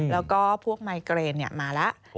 แล้วก็พวกไมเกรนมาแล้ว